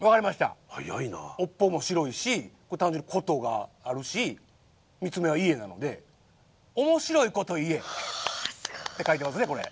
尾っぽも白いしこれ単純に琴があるし３つ目は家なので「おもしろいこといえ」って書いてますね。